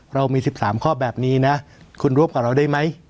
เรามี๑๓ข้อแบบนี้นะคุณรวบกับเราได้ไหม